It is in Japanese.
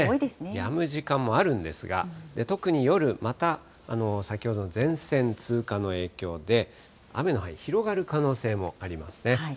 やむ時間もあるんですが、特に夜、また先ほどの前線通過の影響で雨の範囲、広がる可能性もありますね。